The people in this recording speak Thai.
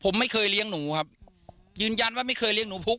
ผมไม่เคยเลี้ยงหนูครับยืนยันว่าไม่เคยเลี้ยหนูพุก